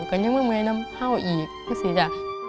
กันยังไม่เมื่อยนำพ่ออีกไม่สิจ๊ะ